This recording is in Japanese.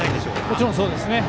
もちろんそうです。